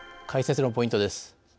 解説のポイントです。